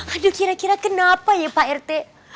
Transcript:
aduh kira kira kenapa ya pak rt